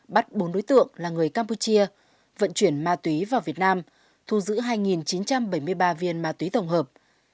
bắt bốn đối tượng là người campuchia vận chuyển ma túy vào việt nam thu giữ hai chín trăm bảy mươi ba viên ma túy tổng hợp